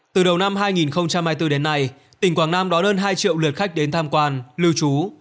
từ đầu năm hai nghìn hai mươi bốn đến nay tỉnh quảng nam đón hơn hai triệu lượt khách đến tham quan lưu trú